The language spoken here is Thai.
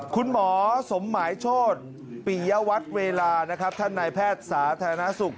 คุณหมอสมหมายโชธปิยวัตรเวลานะครับท่านนายแพทย์สาธารณสุข